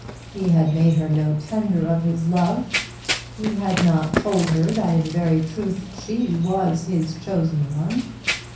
He had made her no tender of his love. He had not told her that in very truth she was his chosen one.